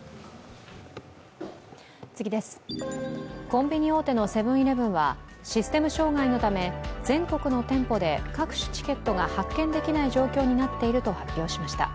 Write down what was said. コンビニ大手のセブン−イレブンは全国の店舗で各種チケットが発券できない状況になっていると発表しました。